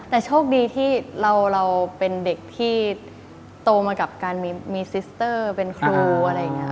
แต่โชคดีที่เราเป็นเด็กที่โตมากับการมีซิสเตอร์เป็นครูอะไรอย่างนี้